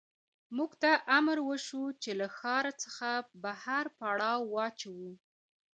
موږ ته امر وشو چې له ښار څخه بهر پړاو واچوو